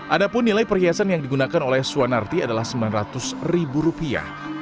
ada pun nilai perhiasan yang digunakan oleh suanarti adalah sembilan ratus ribu rupiah